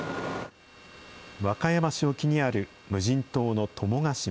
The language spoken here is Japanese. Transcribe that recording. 和歌山市沖にある無人島の友ヶ島。